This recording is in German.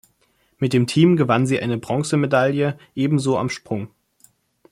Mit dem Team gewann sie eine Bronzemedaille, ebenso am Sprung.